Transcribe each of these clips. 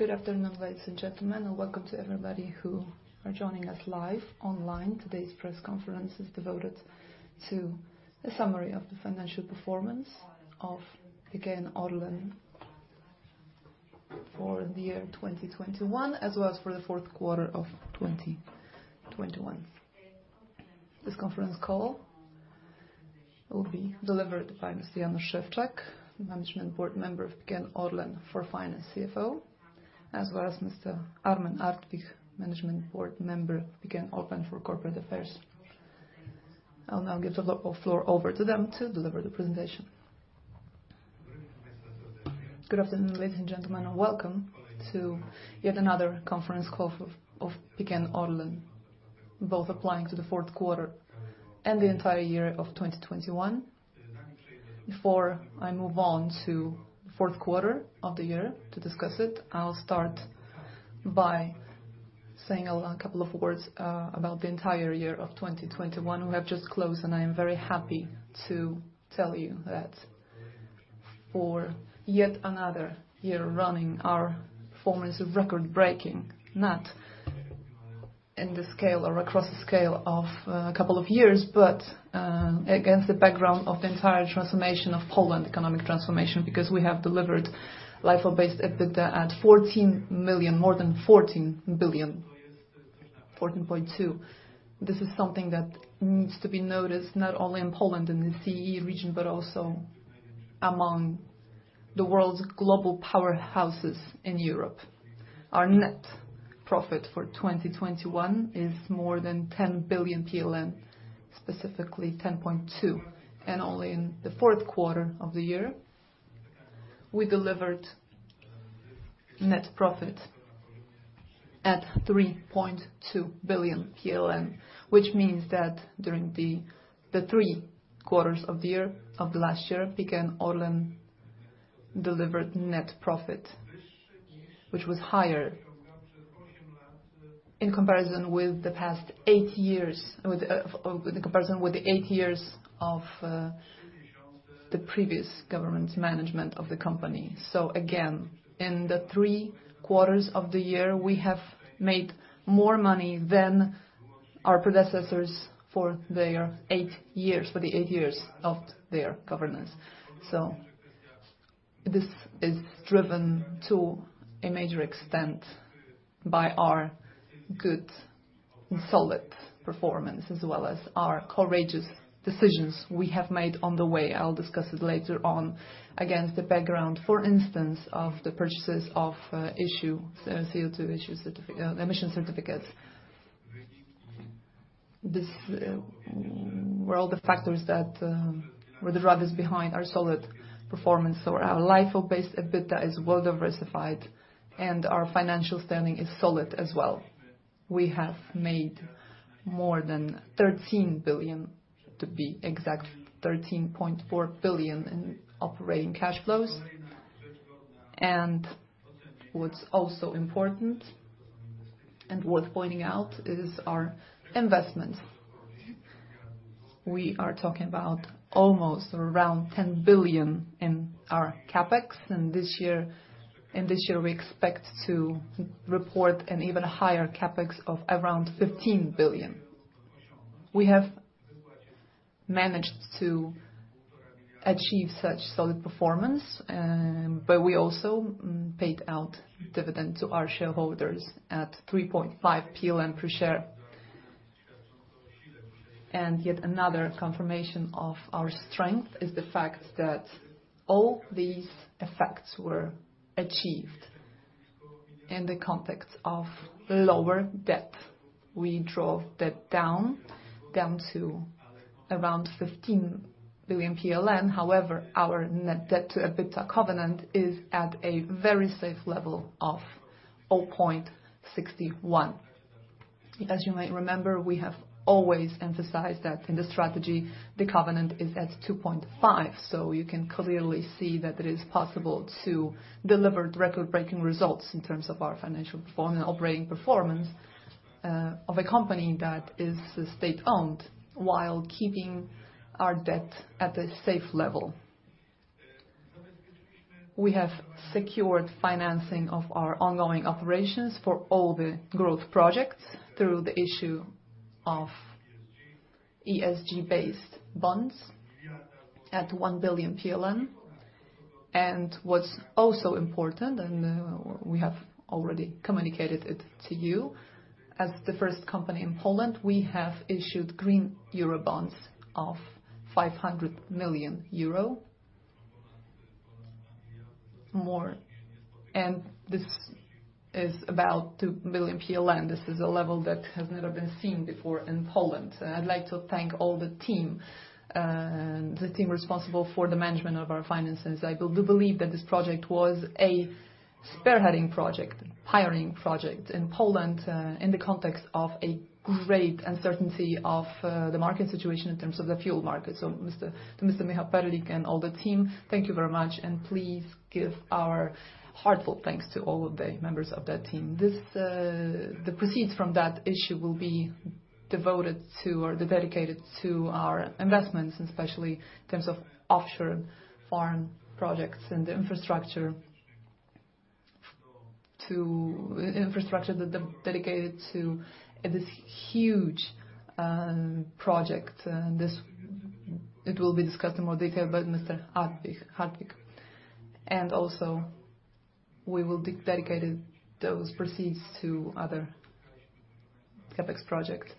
Good afternoon, ladies and gentlemen, and welcome to everybody who are joining us live online. Today's press conference is devoted to a summary of the financial performance of PKN ORLEN for the year 2021, as well as for the fourth quarter of 2021. This conference call will be delivered by Mr. Jan Szewczak, Management Board Member of PKN ORLEN for Finance CFO, as well as Mr. Armen Artwich, Management Board Member of PKN ORLEN for Corporate Affairs. I'll now give the floor over to them to deliver the presentation. Good afternoon, ladies and gentlemen, and welcome to yet another conference call of PKN ORLEN, both applying to the fourth quarter and the entire year of 2021. Before I move on to the fourth quarter of the year to discuss it, I'll start by saying a couple of words about the entire year of 2021 we have just closed, and I am very happy to tell you that for yet another year running, our performance is record-breaking, not in the scale or across the scale of a couple of years, but against the background of the entire transformation of Poland economic transformation, because we have delivered LIFO-based EBITDA of 14.2 billion. This is something that needs to be noticed not only in Poland, in the CEE region, but also among the world's global powerhouses in Europe. Our net profit for 2021 is more than 10 billion PLN, specifically 10.2 billion. Only in the fourth quarter of the year, we delivered net profit at 3.2 billion PLN, which means that during the three quarters of the last year, PKN ORLEN delivered net profit, which was higher in comparison with the past eight years in comparison with the eight years of the previous government management of the company. Again, in the three quarters of the year, we have made more money than our predecessors for the eight years of their governance. This is driven to a major extent by our good and solid performance, as well as our courageous decisions we have made on the way. I'll discuss it later on against the background, for instance, of the purchases of CO2 emission certificates. These were all the factors that were the drivers behind our solid performance. Our LIFO-based EBITDA is well diversified and our financial standing is solid as well. We have made more than 13 billion, to be exact, 13.4 billion in operating cash flows. What's also important and worth pointing out is our investment. We are talking about almost around 10 billion in our CapEx. This year we expect to report an even higher CapEx of around 15 billion. We have managed to achieve such solid performance, but we also paid out dividend to our shareholders at 3.5 per share. Yet another confirmation of our strength is the fact that all these effects were achieved in the context of lower debt. We drove debt down to around 15 billion PLN. However, our net debt to EBITDA covenant is at a very safe level of 0.61. As you might remember, we have always emphasized that in the strategy, the covenant is at 2.5. You can clearly see that it is possible to deliver record-breaking results in terms of our financial performance, operating performance, of a company that is state-owned while keeping our debt at a safe level. We have secured financing of our ongoing operations for all the growth projects through the issue of ESG-based bonds at 1 billion PLN. What's also important, and we have already communicated it to you, as the first company in Poland, we have issued green euro bonds of 500 million euros more. This is about PLN 2 billion. This is a level that has never been seen before in Poland. I'd like to thank all the team, the team responsible for the management of our finances. I do believe that this project was a spearheading project, pioneering project in Poland, in the context of a great uncertainty of, the market situation in terms of the fuel market. Mr. Michał Perlik and all the team, thank you very much, and please give our heartfelt thanks to all of the members of that team. This, the proceeds from that issue will be devoted to or dedicated to our investments, especially in terms of offshore foreign projects and infrastructure. The infrastructure that is dedicated to this huge project, and this, it will be discussed in more detail by Mr. Artwich. Also, we will dedicate those proceeds to other CapEx projects.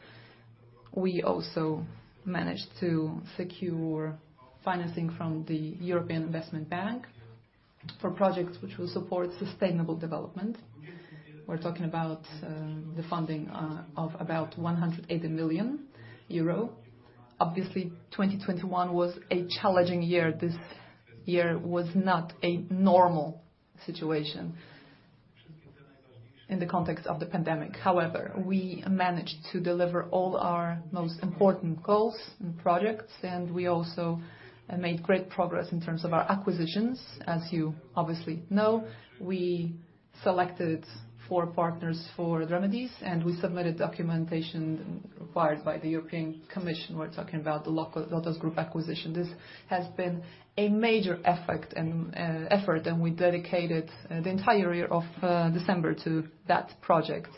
We also managed to secure financing from the European Investment Bank for projects which will support sustainable development. We're talking about the funding of about 180 million euro. Obviously, 2021 was a challenging year. This year was not a normal situation in the context of the pandemic. However, we managed to deliver all our most important goals and projects, and we also made great progress in terms of our acquisitions. As you obviously know, we selected four partners for remedies, and we submitted documentation required by the European Commission. We're talking about the LOTOS Group acquisition. This has been a major effort, and we dedicated the entire year up to December to that project.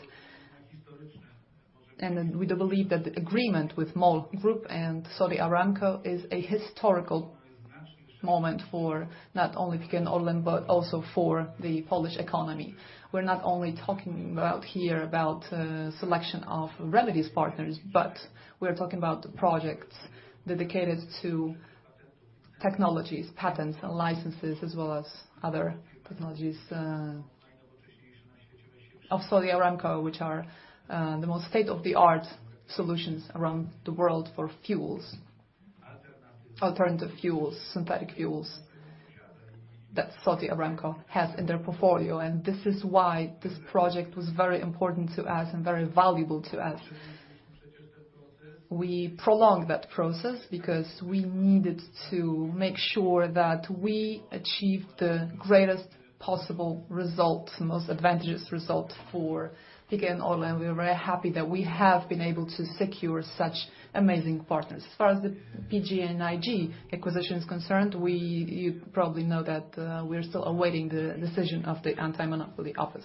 We do believe that the agreement with MOL Group and Saudi Aramco is a historical moment for not only PKN ORLEN, but also for the Polish economy. We're not only talking about the selection of remedies partners, but we're talking about projects dedicated to technologies, patents, and licenses, as well as other technologies of Saudi Aramco, which are the most state-of-the-art solutions around the world for fuels, alternative fuels, synthetic fuels that Saudi Aramco has in their portfolio. This is why this project was very important to us and very valuable to us. We prolonged that process because we needed to make sure that we achieved the greatest possible result, the most advantageous result for PKN ORLEN. We are very happy that we have been able to secure such amazing partners. As far as the PGNiG acquisition is concerned, you probably know that, we're still awaiting the decision of the UOKiK.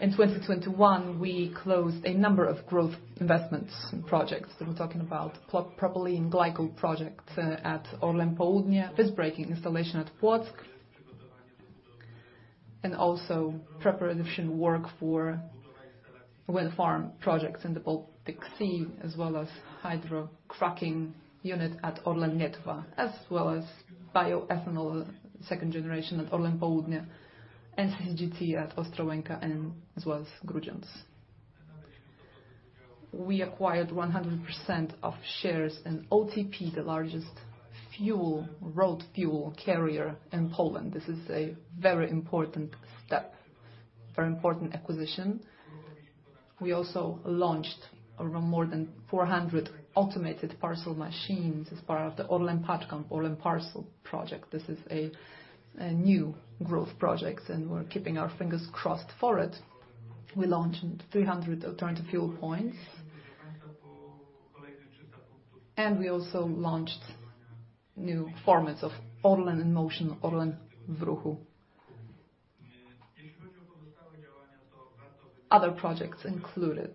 In 2021, we closed a number of growth investments and projects. We're talking about propylene glycol project at ORLEN Południe, visbreaking installation at Płock, and also preparation work for wind farm projects in the Baltic Sea, as well as hydrocracking unit at ORLEN Lietuva, as well as bioethanol, second generation at ORLEN Południe, and CCGT at Ostrołęka and as well as Grudziądz. We acquired 100% of shares in OTP, the largest road fuel carrier in Poland. This is a very important step, very important acquisition. We also launched more than 400 automated parcel machines as part of the ORLEN Paczka project. This is a new growth project, and we're keeping our fingers crossed for it. We launched 300 alternative fuel points. We also launched new formats of ORLEN in Motion, ORLEN w Ruchu. Other projects included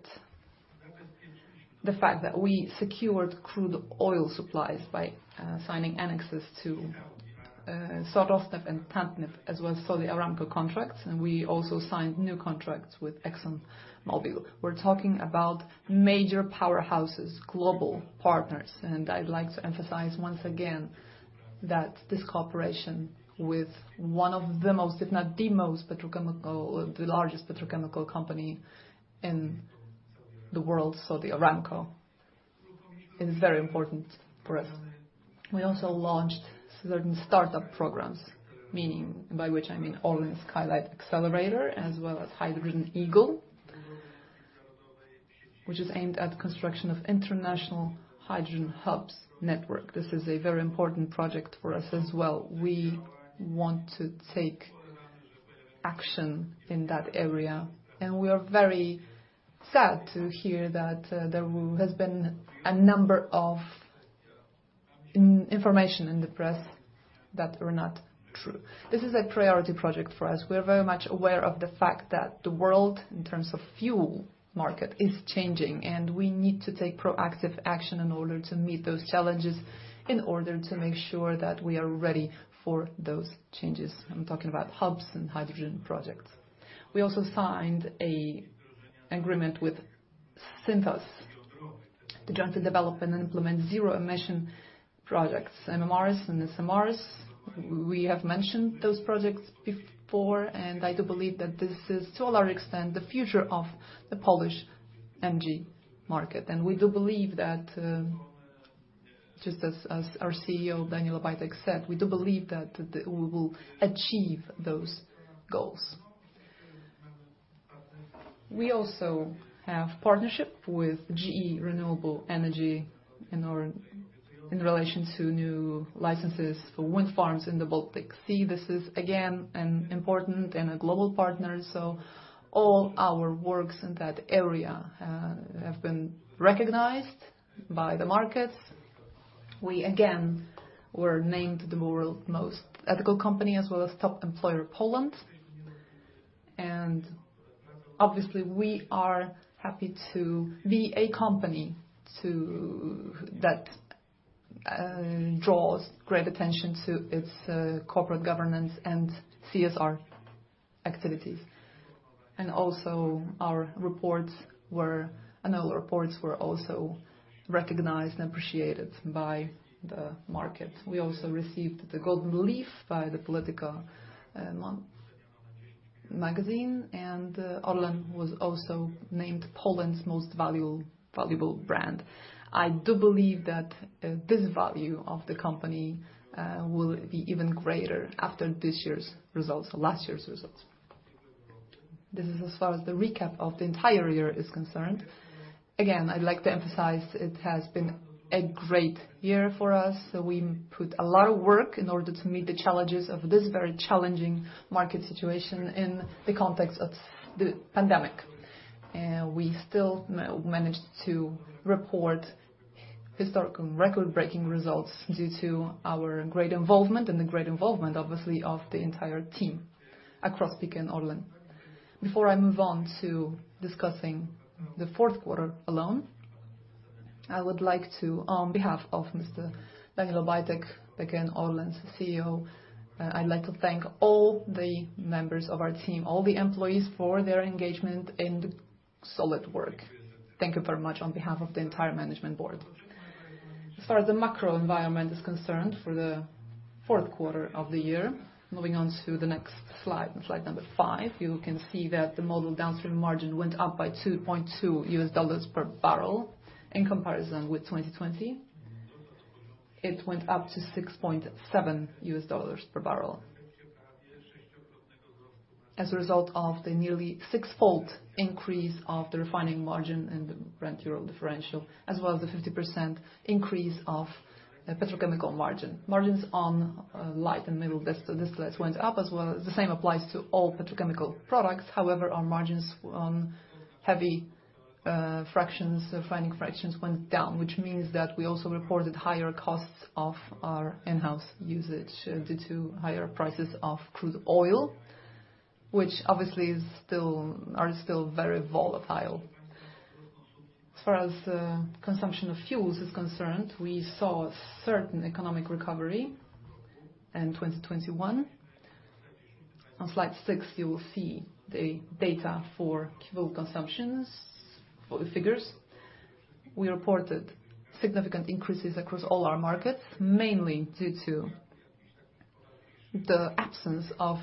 the fact that we secured crude oil supplies by signing annexes to Rosneft and Tatneft, as well as Saudi Aramco contracts. We also signed new contracts with ExxonMobil. We're talking about major powerhouses, global partners, and I'd like to emphasize once again that this cooperation with one of the most, if not the most petrochemical or the largest petrochemical company in the world, Saudi Aramco, is very important for us. We also launched certain startup programs, meaning, by which I mean, ORLEN Skylight Accelerator, as well as Hydrogen Eagle, which is aimed at construction of international hydrogen hubs network. This is a very important project for us as well. We want to take action in that area, and we are very sad to hear that there has been a number of misinformation in the press that are not true. This is a priority project for us. We are very much aware of the fact that the world, in terms of fuel market, is changing, and we need to take proactive action in order to meet those challenges, in order to make sure that we are ready for those changes. I'm talking about hubs and hydrogen projects. We also signed an agreement with Synthos to jointly develop and implement zero-emission projects, MMRs and SMRs. We have mentioned those projects before, and I do believe that this is, to a large extent, the future of the Polish energy market. We do believe that, just as our CEO, Daniel Obajtek said, we do believe that we will achieve those goals. We also have partnership with GE Renewable Energy in relation to new licenses for wind farms in the Baltic Sea. This is again, an important and a global partner. All our works in that area have been recognized by the markets. We again were named the world's most ethical company, as well as Top Employer Poland. Obviously, we are happy to be a company that draws great attention to its corporate governance and CSR activities. Our annual reports were also recognized and appreciated by the market. We also received the Golden Leaf by the Polityka magazine, and ORLEN was also named Poland's most valuable brand. I do believe that, this value of the company, will be even greater after last year's results. This is as far as the recap of the entire year is concerned. Again, I'd like to emphasize it has been a great year for us, so we put a lot of work in order to meet the challenges of this very challenging market situation in the context of the pandemic. We still managed to report historic and record-breaking results due to our great involvement and the great involvement, obviously, of the entire team across PKN ORLEN. Before I move on to discussing the fourth quarter alone, I would like to, on behalf of Mr. Daniel Obajtek, PKN ORLEN's CEO, I'd like to thank all the members of our team, all the employees, for their engagement and solid work. Thank you very much on behalf of the entire management board. As far as the macro environment is concerned for the fourth quarter of the year, moving on to the next slide number five, you can see that the model downstream margin went up by $2.2 per barrel in comparison with 2020. It went up to $6.7 per barrel. As a result of the nearly six-fold increase of the refining margin and the Brent-Urals differential, as well as the 50% increase of petrochemical margin. Margins on light and middle distillates went up as well. The same applies to all petrochemical products. However, our margins on heavy fractions, refining fractions went down, which means that we also reported higher costs of our in-house usage due to higher prices of crude oil, which obviously are still very volatile. As far as the consumption of fuels is concerned, we saw a certain economic recovery in 2021. On slide six, you will see the data for Q1 consumptions for the figures. We reported significant increases across all our markets, mainly due to the absence of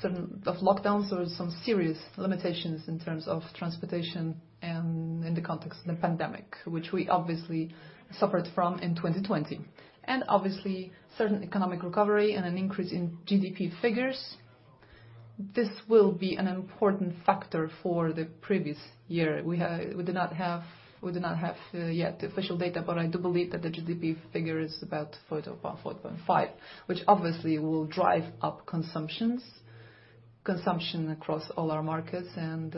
certain lockdowns or some serious limitations in terms of transportation and in the context of the pandemic, which we obviously suffered from in 2020. Obviously, certain economic recovery and an increase in GDP figures. This will be an important factor for the previous year. We do not have yet the official data, but I do believe that the GDP figure is about 4%-4.5%, which obviously will drive up consumption across all our markets, and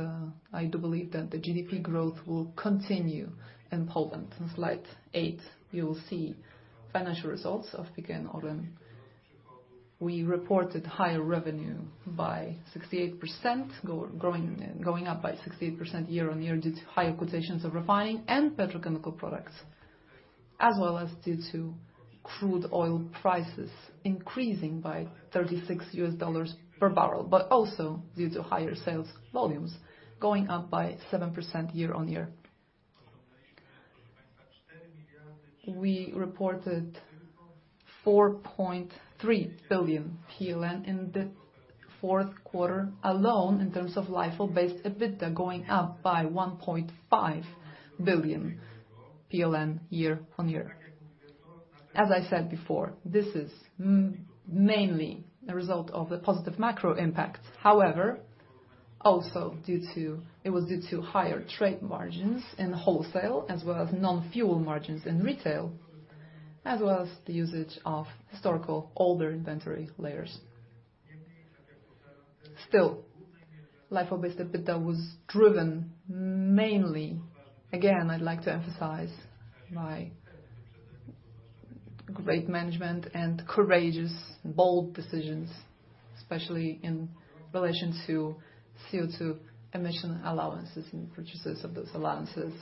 I do believe that the GDP growth will continue in Poland. On slide eight, you will see financial results of PKN ORLEN. We reported higher revenue by 68%, going up by 68% year-on-year due to higher quotations of refining and petrochemical products, as well as due to crude oil prices increasing by $36 per barrel, but also due to higher sales volumes going up by 7% year-on-year. We reported 4.3 billion PLN in the fourth quarter alone in terms of LIFO-based EBITDA, going up by 1.5 billion year-on-year. As I said before, this is mainly a result of the positive macro impact, also due to higher trade margins in wholesale as well as non-fuel margins in retail, as well as the usage of historical older inventory layers. Still, LIFO-based EBITDA was driven mainly, again, I'd like to emphasize, by great management and courageous, bold decisions, especially in relation to CO2 emission allowances and purchases of those allowances.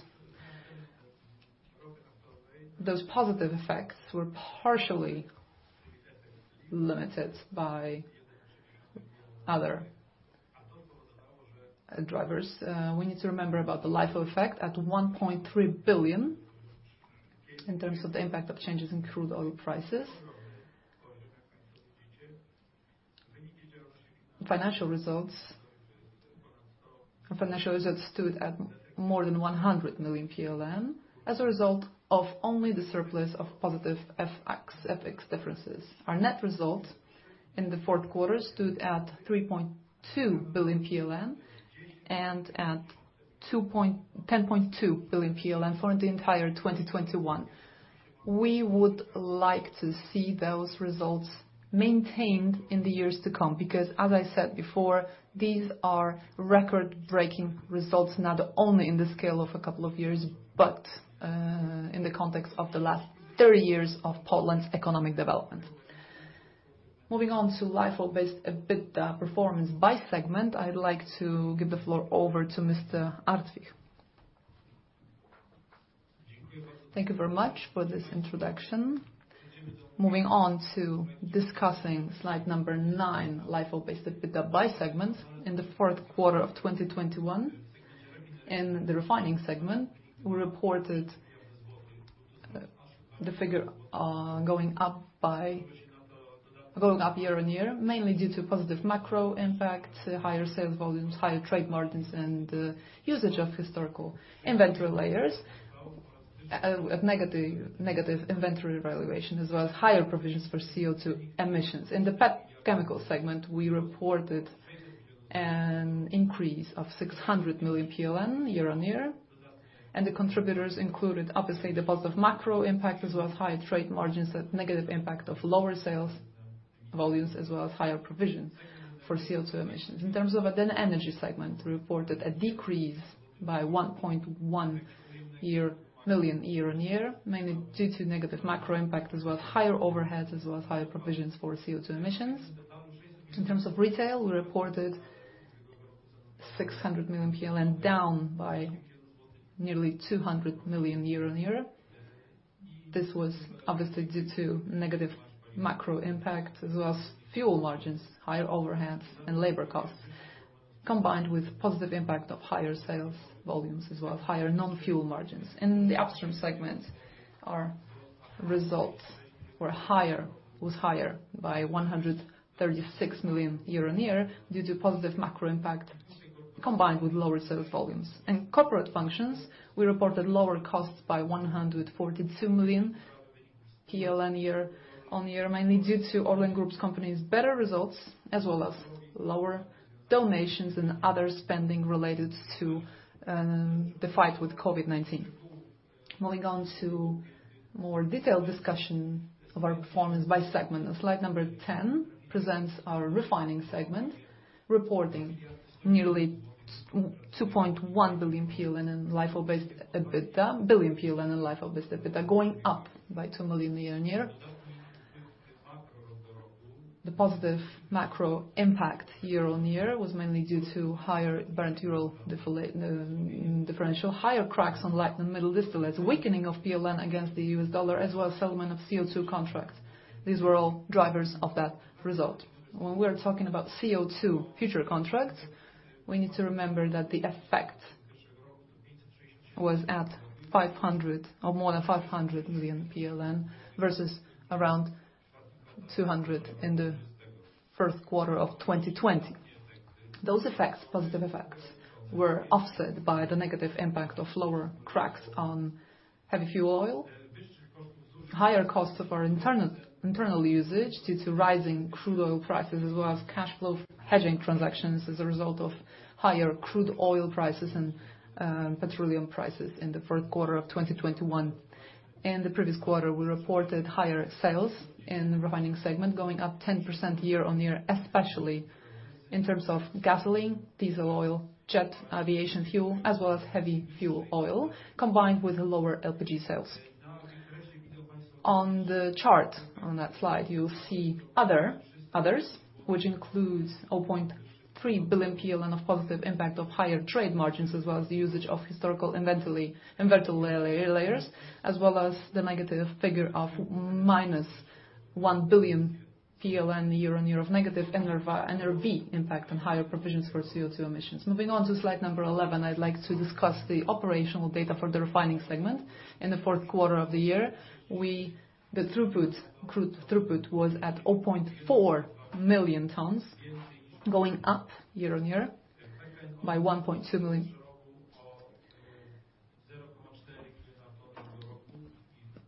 Those positive effects were partially limited by other drivers. We need to remember about the LIFO effect at 1.3 billion in terms of the impact of changes in crude oil prices. Financial results stood at more than 100 million as a result of only the surplus of positive FX differences. Our net results in the fourth quarter stood at 3.2 billion PLN and at 10.2 billion PLN for the entire 2021. We would like to see those results maintained in the years to come, because as I said before, these are record-breaking results, not only in the scale of a couple of years, but in the context of the last 30 years of Poland's economic development. Moving on to LIFO-based EBITDA performance by segment, I'd like to give the floor over to Mr. Artwich. Thank you very much for this introduction. Moving on to discussing slide number nine, LIFO-based EBITDA by segments. In the fourth quarter of 2021, in the refining segment, we reported the figure going up year-on-year, mainly due to positive macro impact, higher sales volumes, higher trade margins, and usage of historical inventory layers. A negative inventory valuation, as well as higher provisions for CO2 emissions. In the petrochemical segment, we reported an increase of 600 million PLN year-on-year. The contributors included obviously the positive macro impact, as well as high trade margins and negative impact of lower sales volumes, as well as higher provisions for CO2 emissions. In terms of the energy segment, we reported a decrease by 1.1 billion year-on-year, mainly due to negative macro impact, as well as higher overheads, as well as higher provisions for CO2 emissions. In terms of retail, we reported 600 million PLN down by nearly 200 million year-on-year. This was obviously due to negative macro impact, as well as fuel margins, higher overheads, and labor costs, combined with positive impact of higher sales volumes, as well as higher non-fuel margins. In the upstream segment, our results were higher by 136 million year-on-year, due to positive macro impact combined with lower sales volumes. In corporate functions, we reported lower costs by 142 million PLN year-on-year, mainly due to Orlen Group's companies better results, as well as lower donations and other spending related to the fight with COVID-19. Moving on to more detailed discussion of our performance by segment. On slide number 10 presents our refining segment, reporting nearly 2.1 billion in LIFO-based EBITDA, going up by 2 million year-on-year. The positive macro impact year-on-year was mainly due to higher Brent-Urals differential, higher cracks on light and middle distillates, a weakening of PLN against the US dollar, as well as settlement of CO2 contracts. These were all drivers of that result. When we are talking about CO2 future contracts, we need to remember that the effect was at 500 million or more than 500 million PLN, versus around 200 million in the first quarter of 2020. Those effects, positive effects, were offset by the negative impact of lower cracks on heavy fuel oil, higher costs of our internal usage due to rising crude oil prices, as well as cash flow hedging transactions as a result of higher crude oil prices and petroleum prices in the fourth quarter of 2021. In the previous quarter, we reported higher sales in the refining segment, going up 10% year-on-year, especially in terms of gasoline, diesel oil, jet aviation fuel, as well as heavy fuel oil, combined with lower LPG sales. On the chart on that slide, you'll see others, which includes 0.3 billion PLN of positive impact of higher trade margins, as well as the usage of historical inventory layers, as well as the negative figure of -1 billion PLN year-on-year of negative NRV impact on higher provisions for CO2 emissions. Moving on to slide 11, I'd like to discuss the operational data for the refining segment. In the fourth quarter of the year, the throughput, crude throughput was at 0.4 million tons, going up year-on-year by 1.2 million.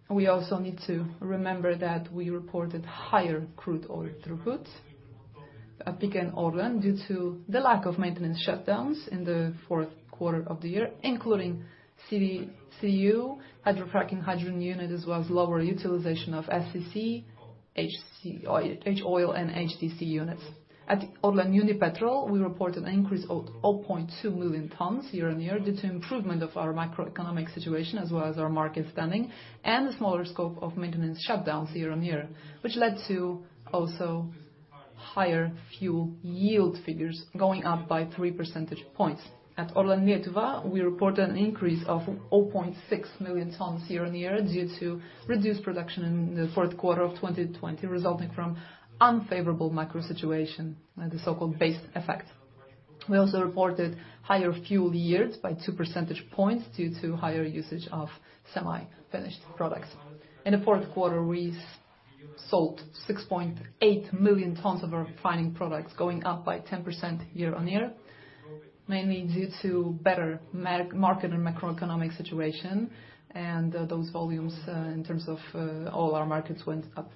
We also need to remember that we reported higher crude oil throughput at PKN ORLEN due to the lack of maintenance shutdowns in the fourth quarter of the year, including the CDU, hydrocracking, hydrogen unit, as well as lower utilization of FCC, HCOil and HTC units. At ORLEN Unipetrol, we reported an increase of 0.2 million tons year-on-year due to improvement of our macroeconomic situation, as well as our market standing, and the smaller scope of maintenance shutdowns year-on-year, which led to also higher fuel yield figures, going up by 3 percentage points. At ORLEN Lietuva, we reported an increase of 0.6 million tons year-on-year due to reduced production in the fourth quarter of 2020, resulting from unfavorable macro situation, the so-called base effect. We also reported higher fuel yields by 2 percentage points due to higher usage of semi-finished products. In the fourth quarter, we've sold 6.8 million tons of our refining products, going up by 10% year-on-year, mainly due to better market and macroeconomic situation, and those volumes, in terms of, all our markets went up.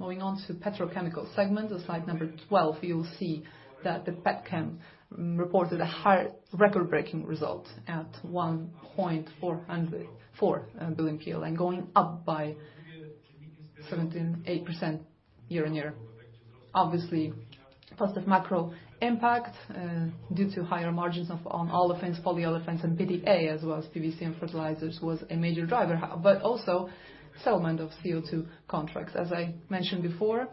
Moving on to petrochemical segment on slide number 12, you'll see that the petchem reported a high record-breaking result at 4 billion PLN, going up by 17.8% year-over-year. Positive macro impact due to higher margins on olefins, polyolefins and PTA as well as PVC and fertilizers was a major driver but also settlement of CO2 contracts. As I mentioned before,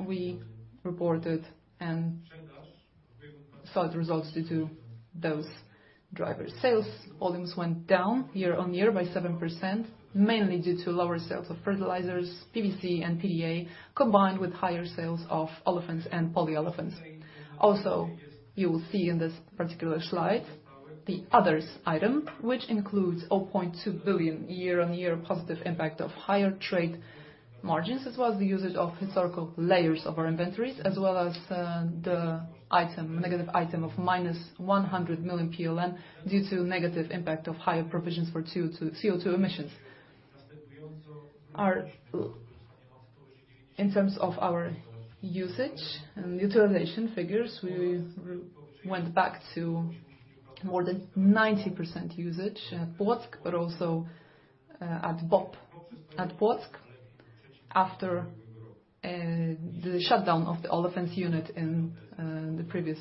we reported and saw the results due to those drivers. Sales volumes went down year-over-year by 7%, mainly due to lower sales of fertilizers, PVC and PTA, combined with higher sales of olefins and polyolefins. You will see in this particular slide, the other items, which includes 0.2 billion year-on-year positive impact of higher trade margins, as well as the usage of historical layers of our inventories, as well as the item, negative item of -100 million PLN due to negative impact of higher provisions for CO2 emissions. In terms of our usage and utilization figures, we went back to more than 90% usage at Płock but also at BOP. At Płock, after the shutdown of the olefins unit in the previous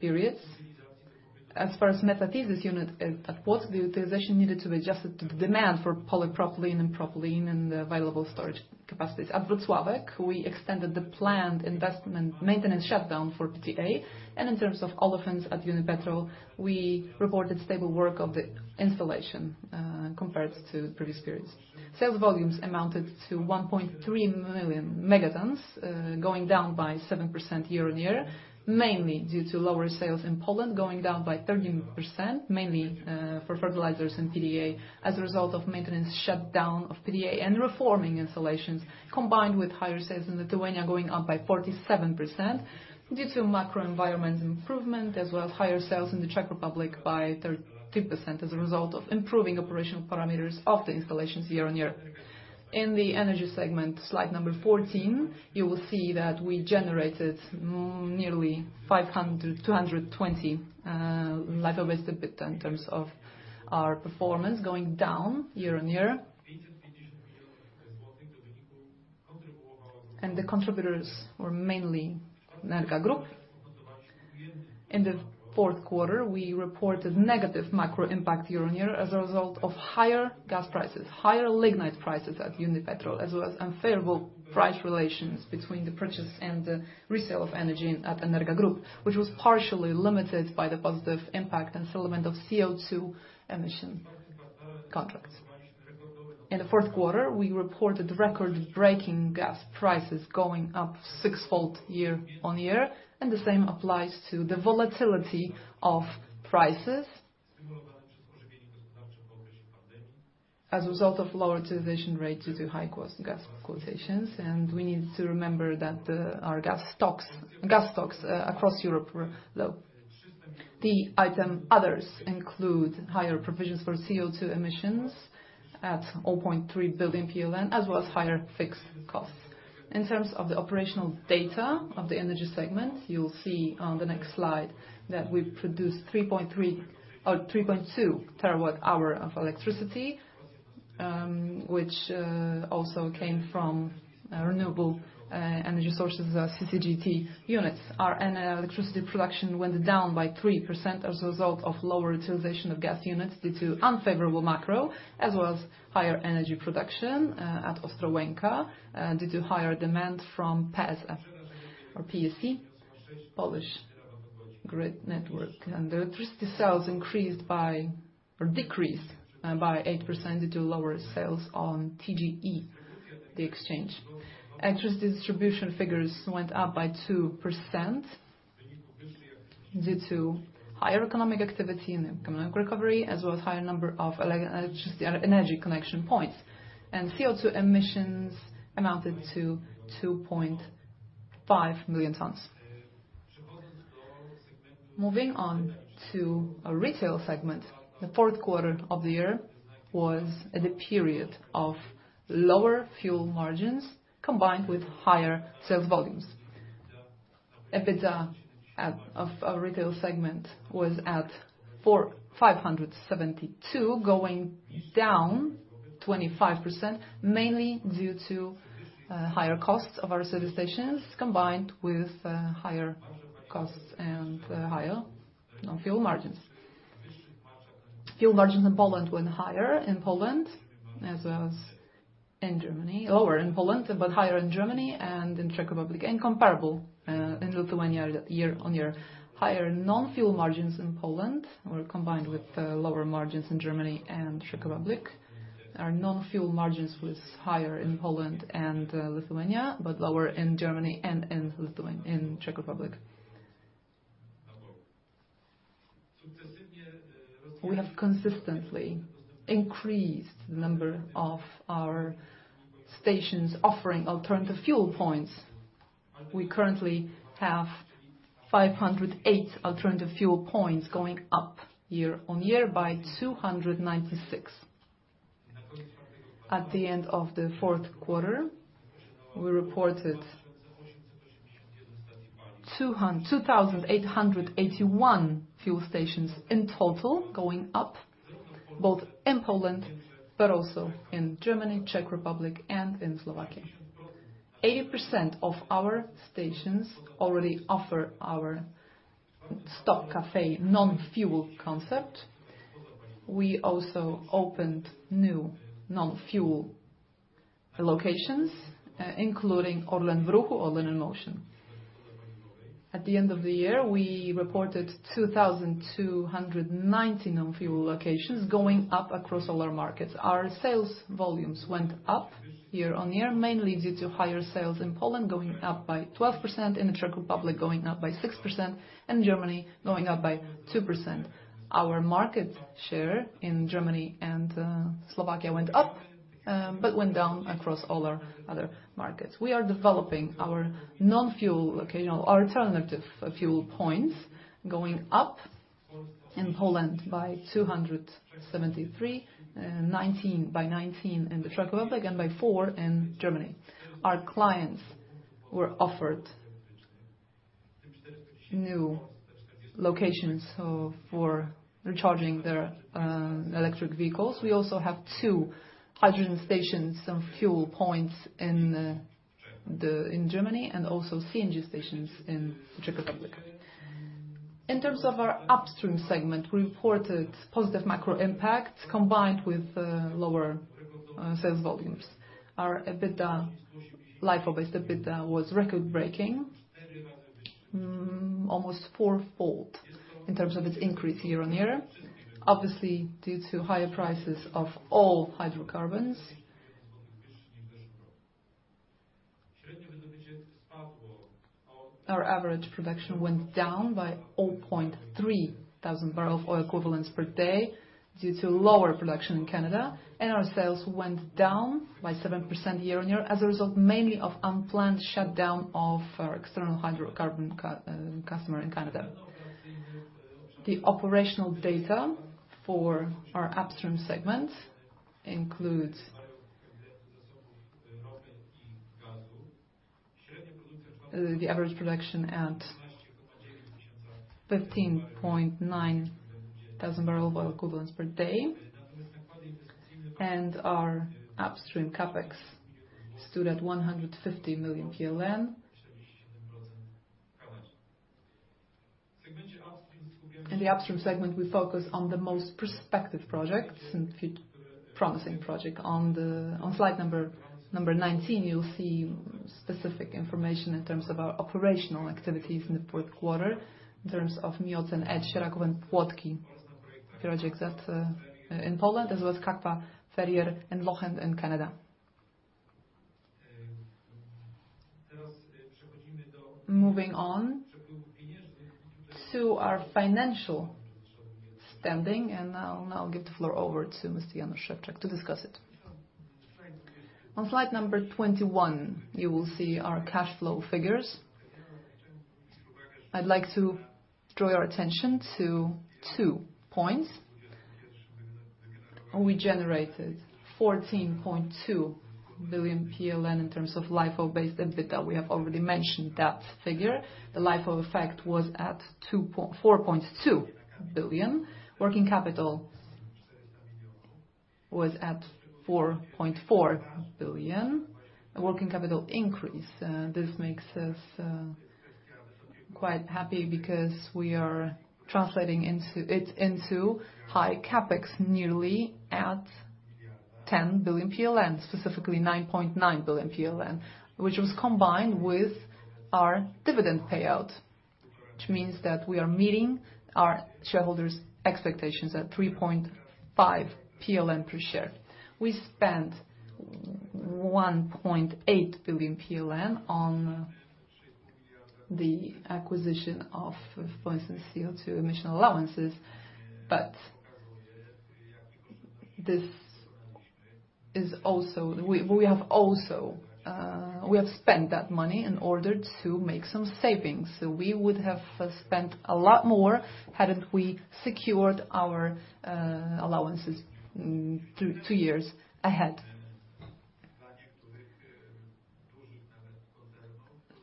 periods. As far as metathesis unit at Płock, the utilization needed to be adjusted to the demand for polypropylene and propylene and the available storage capacities. At Włocławek, we extended the planned investment maintenance shutdown for PTA, and in terms of olefins at Unipetrol, we reported stable work of the installation compared to previous periods. Sales volumes amounted to 1.3 million metric tons, going down by 7% year-on-year, mainly due to lower sales in Poland, going down by 13%, mainly for fertilizers and PTA, as a result of maintenance shutdown of PTA and reforming installations combined with higher sales in Lithuania going up by 47% due to macro environment improvement as well as higher sales in the Czech Republic by 32% as a result of improving operational parameters of the installations year-on-year. In the energy segment, slide 14, you will see that we generated 220 LIFO EBITDA in terms of our performance going down year-on-year. The contributors were mainly Energa Group. In the fourth quarter, we reported negative macro impact year-on-year as a result of higher gas prices, higher lignite prices at Unipetrol, as well as unfavorable price relations between the purchase and the resale of energy at Energa Group, which was partially limited by the positive impact and settlement of CO2 emission contracts. In the fourth quarter, we reported record-breaking gas prices going up six-fold year-on-year, and the same applies to the volatility of prices as a result of lower utilization rate due to high cost gas quotations, and we need to remember that our gas stocks across Europe were low. The item others include higher provisions for CO2 emissions at 0.3 billion PLN, as well as higher fixed costs. In terms of the operational data of the energy segment, you'll see on the next slide that we produced 3.3 or 3.2 terawatt-hours of electricity, which also came from renewable energy sources, the CCGT units. Our electricity production went down by 3% as a result of lower utilization of gas units due to unfavorable macro, as well as higher energy production at Ostrołęka due to higher demand from PSE, Polish Grid Network. The electricity sales decreased by 8% due to lower sales on TGE, the exchange. Electricity distribution figures went up by 2% due to higher economic activity and economic recovery, as well as higher number of electricity connection points. CO2 emissions amounted to 2.5 million tons. Moving on to a retail segment, the fourth quarter of the year was a period of lower fuel margins combined with higher sales volumes. EBITDA of our retail segment was at 572, going down 25%, mainly due to higher costs of our service stations, combined with higher costs and higher non-fuel margins. Fuel margins in Poland went lower in Poland, but higher in Germany and in Czech Republic and comparable in Lithuania year-on-year. Higher non-fuel margins in Poland were combined with lower margins in Germany and Czech Republic. Our non-fuel margins was higher in Poland and Lithuania, but lower in Germany and in Czech Republic. We have consistently increased the number of our stations offering alternative fuel points. We currently have 508 alternative fuel points, going up year-on-year by 296. At the end of the fourth quarter, we reported 2,881 fuel stations in total, going up both in Poland but also in Germany, Czech Republic, and in Slovakia. 80% of our stations already offer our Stop.Cafe non-fuel concept. We also opened new non-fuel locations, including ORLEN w Ruchu, ORLEN in Motion. At the end of the year, we reported 2,290 non-fuel locations going up across all our markets. Our sales volumes went up year-on-year, mainly due to higher sales in Poland, going up by 12%, in the Czech Republic going up by 6%, and Germany going up by 2%. Our market share in Germany and Slovakia went up, but went down across all our other markets. We are developing our non-fuel location, our alternative fuel points, going up in Poland by 273, by 19 in the Czech Republic, and by four in Germany. Our clients were offered new locations for recharging their electric vehicles. We also have two hydrogen stations and fuel points in Germany, and also CNG stations in Czech Republic. In terms of our upstream segment, we reported positive macro impacts combined with lower sales volumes. Our EBITDA, LIFO-based EBITDA was record-breaking, almost four-fold in terms of its increase year on year, obviously due to higher prices of all hydrocarbons. Our average production went down by 0.3 thousand barrels of oil equivalent per day due to lower production in Canada, and our sales went down by 7% year-on-year as a result mainly of unplanned shutdown of our external hydrocarbon customer in Canada. The operational data for our upstream segment includes the average production at 15.9 thousand barrels of oil equivalent per day and our upstream CapEx stood at 150 million PLN. In the upstream segment, we focus on the most prospective projects and promising project. On slide number 19, you'll see specific information in terms of our operational activities in the fourth quarter in terms of Miocen and Sieraków and Płotki projects that in Poland, as well as Kakwa, Ferrier, and Wapiti in Canada. Moving on to our financial standing, I'll now give the floor over to Mr. Jan Szewczak to discuss it. On slide number 21, you will see our cash flow figures. I'd like to draw your attention to two points. We generated 14.2 billion PLN in terms of LIFO-based EBITDA. We have already mentioned that figure. The LIFO effect was at 4.2 billion. Working capital was at 4.4 billion. Working capital increase, this makes us quite happy because we are translating into, it into high CapEx nearly at 10 billion PLN, specifically 9.9 billion PLN, which was combined with our dividend payout, which means that we are meeting our shareholders' expectations at 3.5 per share. We spent 1.8 billion on the acquisition of fossil CO2 emission allowances. We have also spent that money in order to make some savings. We would have spent a lot more hadn't we secured our allowances two years ahead.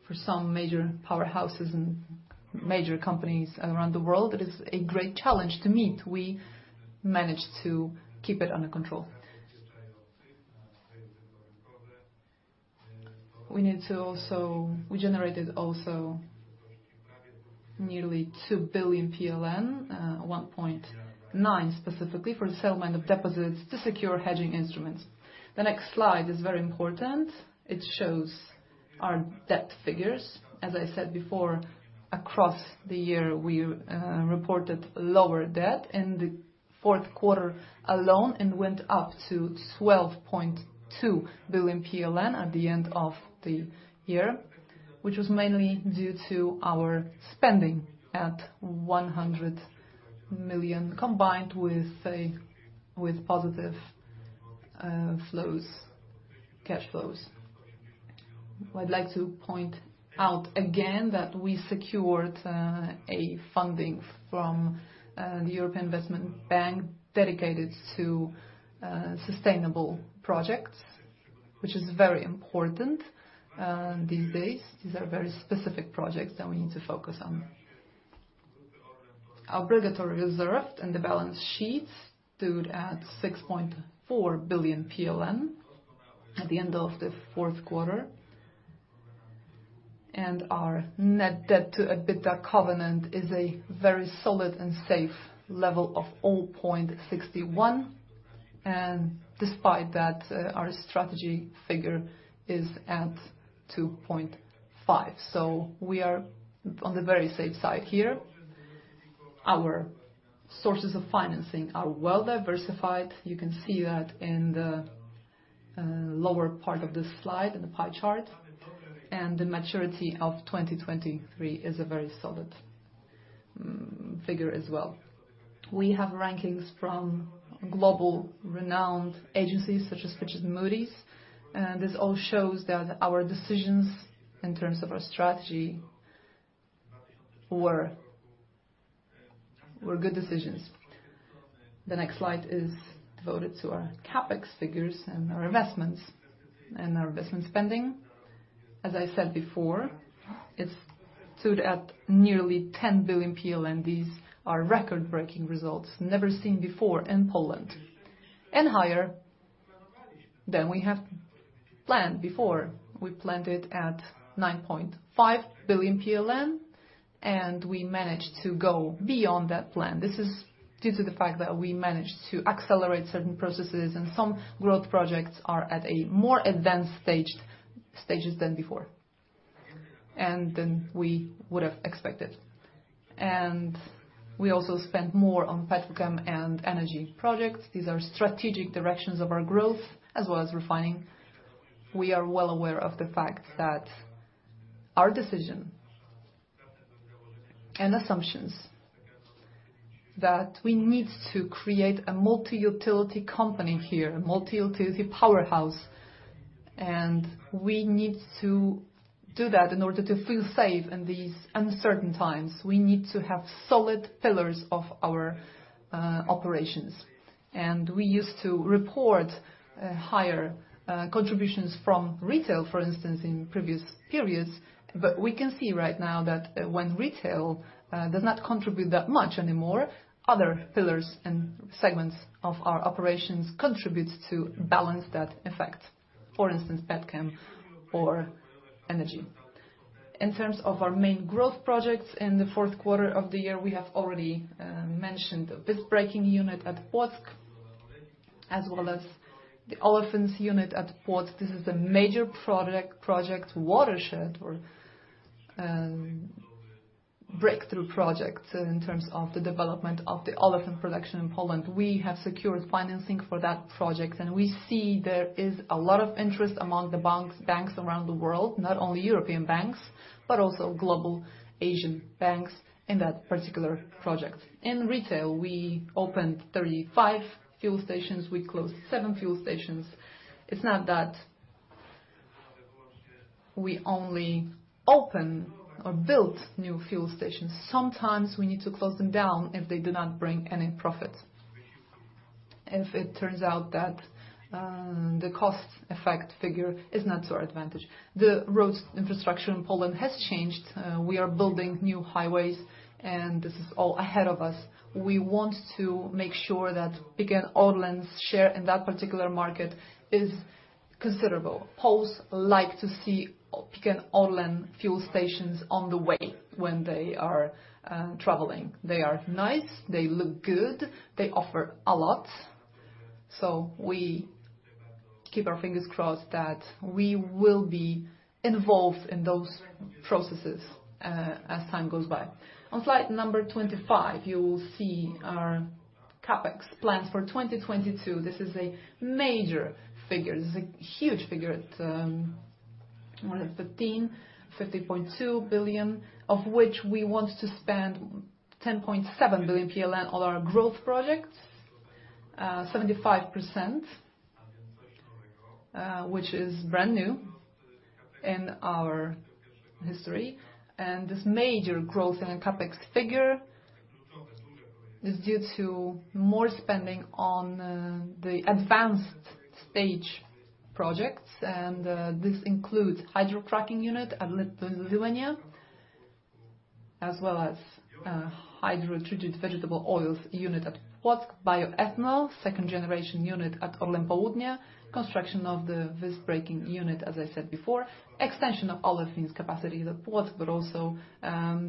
For some major powerhouses and major companies around the world, it is a great challenge to meet. We managed to keep it under control. We generated also nearly 2 billion PLN, 1.9 billion specifically, for the settlement of deposits to secure hedging instruments. The next slide is very important. It shows our debt figures. As I said before, across the year, we reported lower debt in the fourth quarter alone and went up to 12.2 billion PLN at the end of the year, which was mainly due to our spending at 100 million, combined with, say, with positive flows, cash flows. I'd like to point out again that we secured a funding from the European Investment Bank dedicated to sustainable projects. Which is very important these days. These are very specific projects that we need to focus on. Our obligatory reserves in the balance sheets stood at 6.4 billion PLN at the end of the fourth quarter. Our net debt to EBITDA covenant is a very solid and safe level of 0.61, and despite that, our strategy figure is at 2.5. We are on the very safe side here. Our sources of financing are well-diversified. You can see that in the lower part of this slide in the pie chart, and the maturity of 2023 is a very solid figure as well. We have rankings from global renowned agencies such as Fitch and Moody's, and this all shows that our decisions in terms of our strategy were good decisions. The next slide is devoted to our CapEx figures and our investments and our investment spending. As I said before, it stood at nearly 10 billion. These are record-breaking results never seen before in Poland, and higher than we have planned before. We planned it at 9.5 billion PLN, and we managed to go beyond that plan. This is due to the fact that we managed to accelerate certain processes and some growth projects are at a more advanced stages than before, and than we would have expected. We also spent more on petrochem and energy projects. These are strategic directions of our growth as well as refining. We are well aware of the fact that our decision and assumptions that we need to create a multi-utility company here, a multi-utility powerhouse, and we need to do that in order to feel safe in these uncertain times. We need to have solid pillars of our operations. We used to report higher contributions from retail, for instance, in previous periods. We can see right now that when retail does not contribute that much anymore, other pillars and segments of our operations contributes to balance that effect, for instance, petchem or energy. In terms of our main growth projects in the fourth quarter of the year, we have already mentioned the visbreaking unit at Płock, as well as the olefins unit at Płock. This is a major product project watershed or breakthrough project in terms of the development of the olefins production in Poland. We have secured financing for that project, and we see there is a lot of interest among the banks around the world, not only European banks, but also global Asian banks in that particular project. In retail, we opened 35 fuel stations. We closed seven fuel stations. It's not that we only open or build new fuel stations. Sometimes we need to close them down if they do not bring any profit, if it turns out that, the cost effect figure is not to our advantage. The roads infrastructure in Poland has changed. We are building new highways, and this is all ahead of us. We want to make sure that PKN ORLEN's share in that particular market is considerable. Poles like to see PKN ORLEN fuel stations on the way when they are, traveling. They are nice. They look good. They offer a lot. We keep our fingers crossed that we will be involved in those processes, as time goes by. On slide number 25, you will see our CapEx plans for 2022. This is a major figure. This is a huge figure at 115.2 billion, of which we want to spend 10.7 billion PLN on our growth projects, 75%, which is brand new in our history. This major growth in our CapEx figure is due to more spending on the advanced stage projects, and this includes hydrocracking unit at Lithuania, as well as hydrotreated vegetable oils unit at Płock, bioethanol, second generation unit at ORLEN Południe, construction of the visbreaking unit, as I said before, extension of olefins capacity at Płock, but also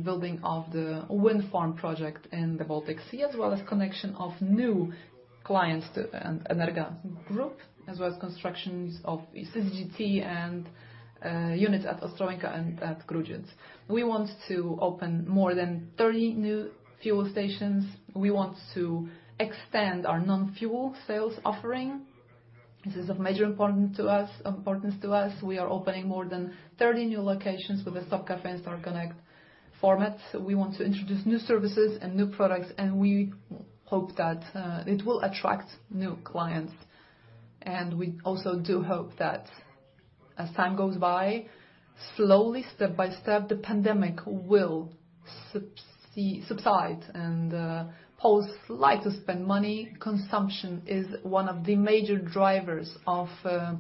building of the wind farm project in the Baltic Sea, as well as connection of new clients to Energa Group, as well as constructions of CCGT and units at Ostrołęka and at Grudziądz. We want to open more than 30 new fuel stations. We want to extend our non-fuel sales offering. This is of major importance to us. We are opening more than 30 new locations with the Stop Cafe and Star Connect format. We want to introduce new services and new products, and we hope that it will attract new clients. We also do hope that as time goes by, slowly, step by step, the pandemic will subside. Poles like to spend money. Consumption is one of the major drivers of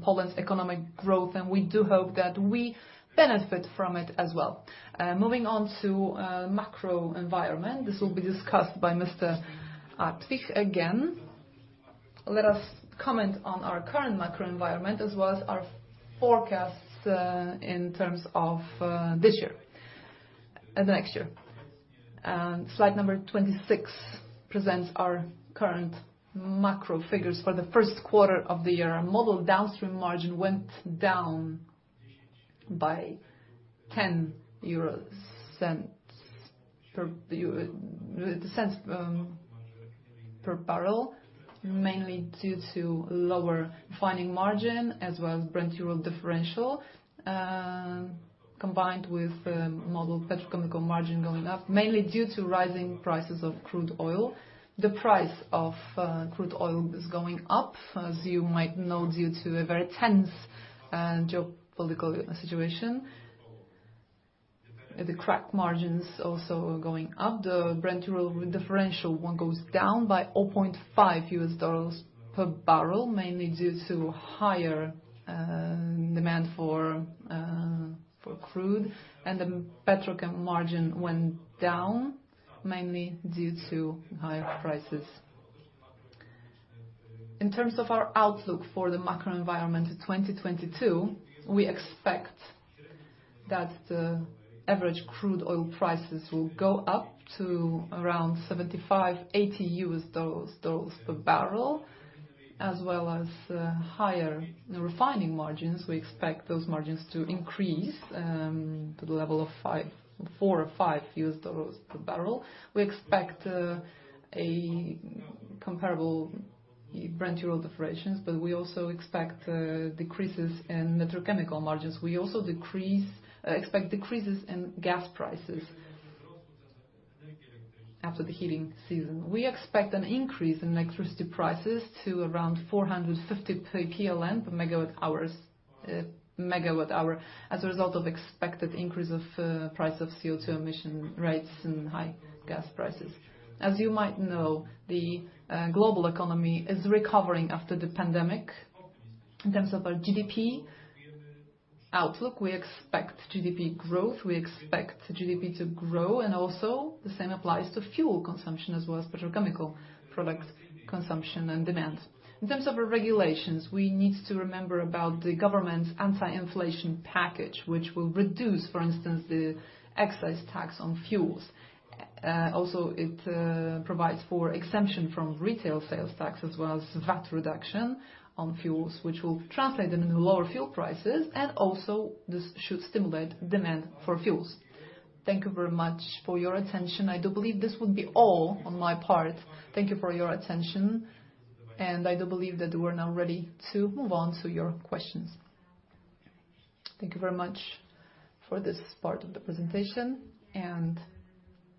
Poland's economic growth, and we do hope that we benefit from it as well. Moving on to macro environment. This will be discussed by Mr. Artwich again. Let us comment on our current macro environment, as well as our forecasts in terms of this year and next year. Slide number 26 presents our current macro figures for the first quarter of the year. Model downstream margin went down by 0.10 per barrel, mainly due to lower refining margin, as well as Brent crude oil differential, combined with model petrochemical margin going up, mainly due to rising prices of crude oil. The price of crude oil is going up, as you might know, due to a very tense geopolitical situation. The crack margins also are going up. The Brent crude oil differential went down by $0.5 per barrel, mainly due to higher demand for crude. The petrochemical margin went down mainly due to higher prices. In terms of our outlook for the macro environment in 2022, we expect that the average crude oil prices will go up to around $75-$80 per barrel, as well as higher refining margins. We expect those margins to increase to the level of $4 or $5 per barrel. We expect a comparable Brent crude oil differential, but we also expect decreases in petrochemical margins. We expect decreases in gas prices after the heating season. We expect an increase in electricity prices to around 450 PLN per MWh, as a result of expected increase of price of CO2 emission rates and high gas prices. As you might know, the global economy is recovering after the pandemic. In terms of our GDP outlook, we expect GDP growth, we expect GDP to grow, and also the same applies to fuel consumption as well as petrochemical product consumption and demand. In terms of our regulations, we need to remember about the government's anti-inflation package, which will reduce, for instance, the excise tax on fuels. Also it provides for exemption from retail sales tax, as well as VAT reduction on fuels, which will translate into lower fuel prices, and also this should stimulate demand for fuels. Thank you very much for your attention. I do believe this would be all on my part. Thank you for your attention, and I do believe that we're now ready to move on to your questions. Thank you very much for this part of the presentation.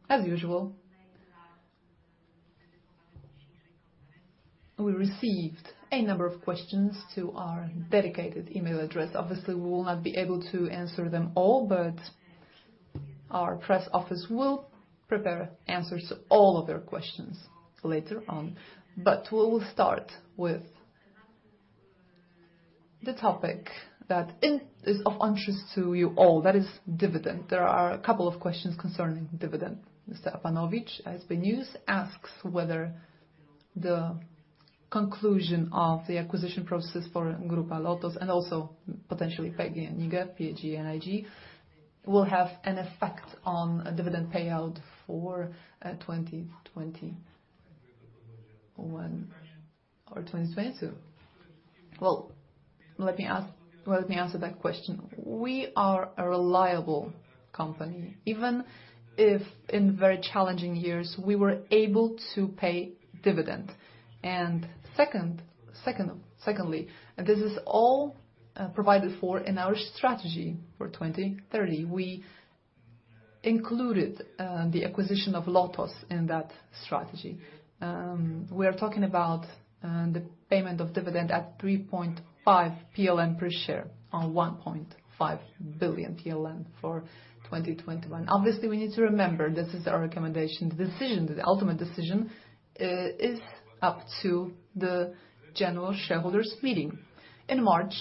As usual, we received a number of questions to our dedicated email address. Obviously, we will not be able to answer them all, but our press office will prepare answers to all of your questions later on. We will start with the topic that is of interest to you all. That is dividend. There are a couple of questions concerning dividend. Mr. Apanowicz, ISBnews, asks whether the conclusion of the acquisition process for Grupa LOTOS, and also potentially PGNiG, will have an effect on a dividend payout for 2021 or 2022. Well, let me answer that question. We are a reliable company. Even if in very challenging years, we were able to pay dividend. Secondly, and this is all provided for in our strategy for 2030. We included the acquisition of LOTOS in that strategy. We are talking about the payment of dividend at 3.5 PLN per share on 1.5 billion PLN for 2021. Obviously, we need to remember this is our recommendation. The decision, the ultimate decision, is up to the general shareholders meeting. In March,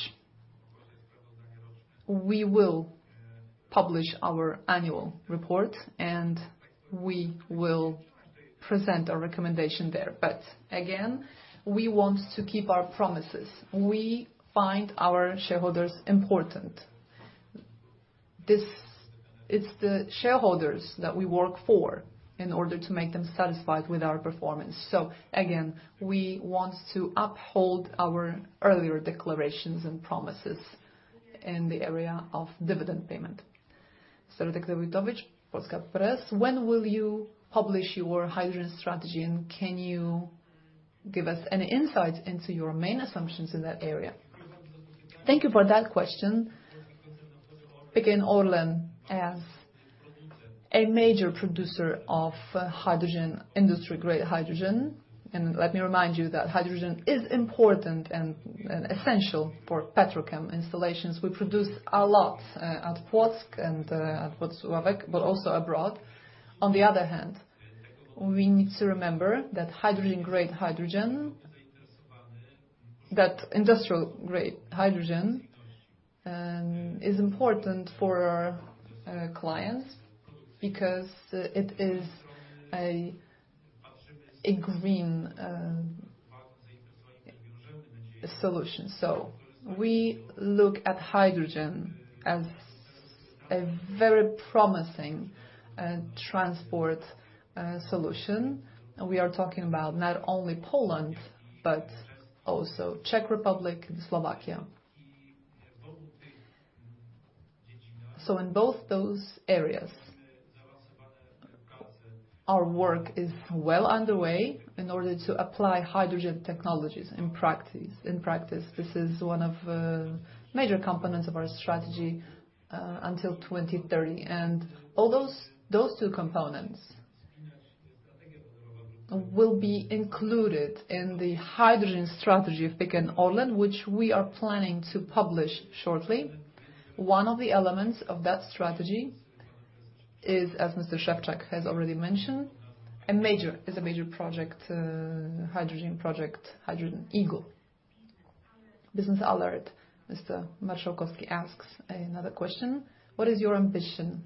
we will publish our annual report, and we will present our recommendation there. We want to keep our promises. We find our shareholders important. This is the shareholders that we work for in order to make them satisfied with our performance. We want to uphold our earlier declarations and promises in the area of dividend payment. Sergiusz Zykunowicz, Polska Press, "When will you publish your hydrogen strategy, and can you give us any insights into your main assumptions in that area?" Thank you for that question. PKN ORLEN as a major producer of hydrogen, industry-grade hydrogen. Let me remind you that hydrogen is important and essential for petrochemical installations. We produce a lot at Płock and at Włocławek, but also abroad. On the other hand, we need to remember that hydrogen, grade hydrogen, that industrial-grade hydrogen is important for our clients because it is a green solution. We look at hydrogen as a very promising transport solution. We are talking about not only Poland, but also Czech Republic and Slovakia. In both those areas, our work is well underway in order to apply hydrogen technologies in practice. This is one of major components of our strategy until 2030. All those two components will be included in the hydrogen strategy of PKN ORLEN, which we are planning to publish shortly. One of the elements of that strategy is, as Mr. Szewczak has already mentioned, a major hydrogen project, Hydrogen Eagle. Business Alert, Mr. Maciołkowski asks another question. What is your ambition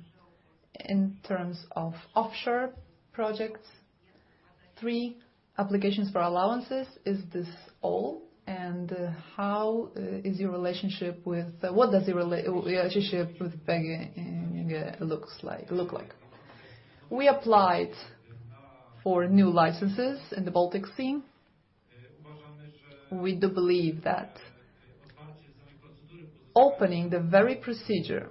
in terms of offshore projects? Three applications for allowances, is this all? And how is your relationship with PGNiG? What does the relationship with PGNiG look like? We applied for new licenses in the Baltic Sea. We do believe that opening the very procedure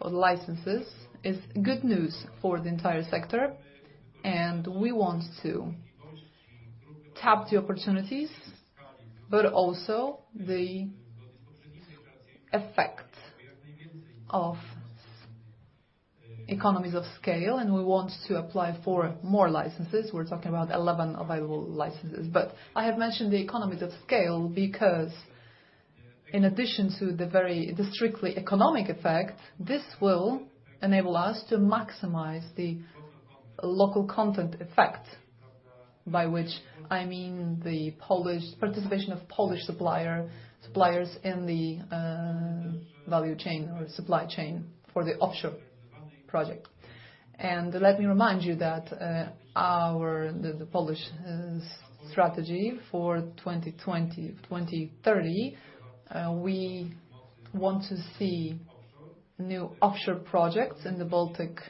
for licenses is good news for the entire sector, and we want to tap the opportunities, but also the effect of economies of scale, and we want to apply for more licenses. We're talking about 11 available licenses. I have mentioned the economies of scale because in addition to the strictly economic effect, this will enable us to maximize the local content effect, by which I mean the Polish participation of Polish suppliers in the value chain or supply chain for the offshore project. Let me remind you that the Polish strategy for 2020, 2030, we want to see new offshore projects in the Baltic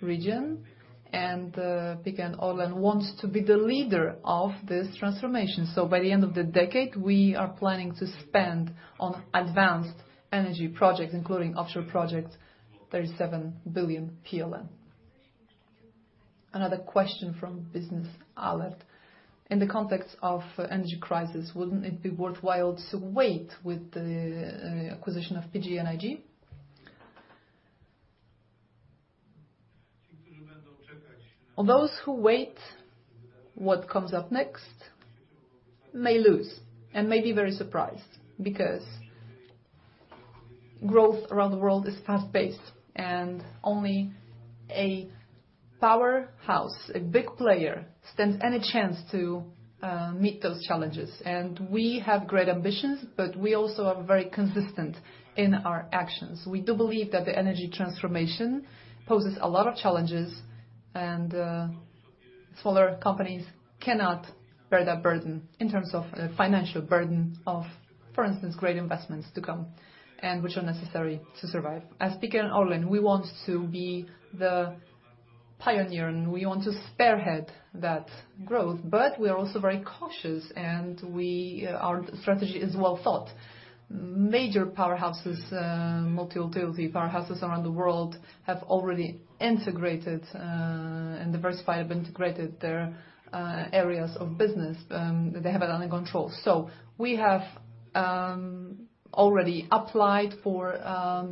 region, and PKN ORLEN wants to be the leader of this transformation. By the end of the decade, we are planning to spend on advanced energy projects, including offshore projects, 37 billion. Another question from BiznesAlert. In the context of energy crisis, wouldn't it be worthwhile to wait with the acquisition of PGNiG? Those who wait, what comes up next may lose and may be very surprised because growth around the world is fast-paced, and only a powerhouse, a big player, stands any chance to meet those challenges. We have great ambitions, but we also are very consistent in our actions. We do believe that the energy transformation poses a lot of challenges, and smaller companies cannot bear that burden in terms of financial burden of, for instance, great investments to come and which are necessary to survive. At PKN ORLEN, we want to be the pioneer, and we want to spearhead that growth, but we're also very cautious and our strategy is well-thought. Major powerhouses, multi-utility powerhouses around the world have already integrated and diversified, have integrated their areas of business, they have it under control. We have already applied for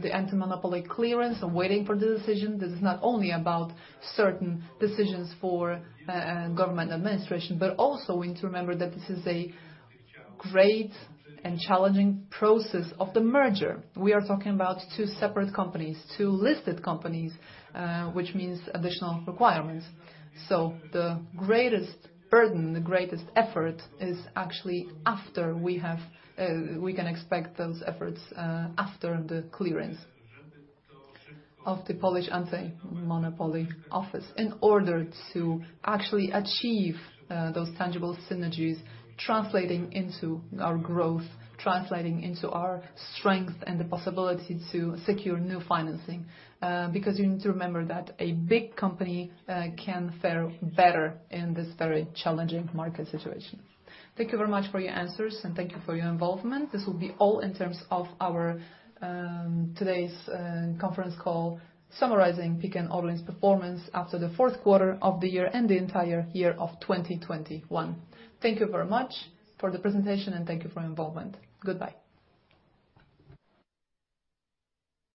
the anti-monopoly clearance. I'm waiting for the decision. This is not only about certain decisions for government administration, but also we need to remember that this is a great and challenging process of the merger. We are talking about two separate companies, two listed companies, which means additional requirements. The greatest burden, the greatest effort, is actually after we can expect those efforts after the clearance of the Polish anti-monopoly office in order to actually achieve those tangible synergies translating into our growth, translating into our strength and the possibility to secure new financing. Because you need to remember that a big company can fare better in this very challenging market situation. Thank you very much for your answers, and thank you for your involvement. This will be all in terms of our today's conference call summarizing PKN ORLEN's performance after the fourth quarter of the year and the entire year of 2021. Thank you very much for the presentation, and thank you for your involvement. Goodbye.